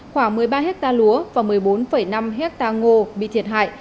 khoảng một mươi ba ha lúa và một mươi bốn năm ha ngô bị thiệt hại